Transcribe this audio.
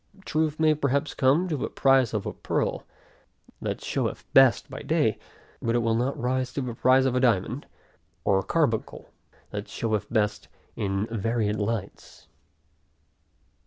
Truth may perhaps come to the price of a pearl, that showeth best by day; but it will not rise to the price of a diamond, or carbuncle, that showeth best in varied lights.